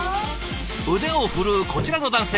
腕を振るうこちらの男性。